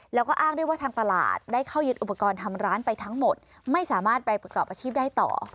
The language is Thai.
แล้วก็อ้างด้วยว่าทางตลาดได้เข้ายึดอุปกรณ์ทำร้านไปทั้งหมดไม่สามารถไปประกอบอาชีพได้ต่อ